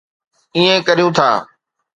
ائين ڪريون ٿا